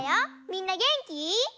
みんなげんき？